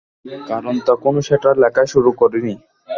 কারণ তখনো সেটা লেখাই শুরু করিনি।